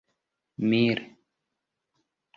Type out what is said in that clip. mil